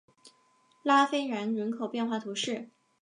拉费兰人口变化图示